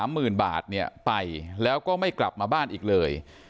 หมื่นบาทเนี่ยไปแล้วก็ไม่กลับมาบ้านอีกเลย